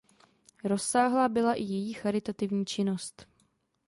Rozsáhlá byla i její charitativní činnost.